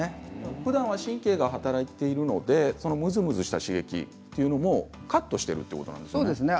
ふだんは神経が働いてるのでそのムズムズした刺激というのも、カットしているということなんですね。